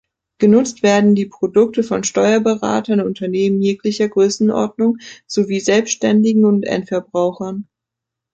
Genutzt werden die Produkte von Steuerberatern und Unternehmen jeglicher Größenordnung sowie Selbständigen und Endverbrauchern.